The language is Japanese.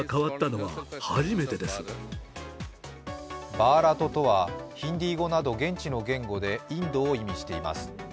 バーラトとは、ヒンディー語など現地の言語でインドを意味しています。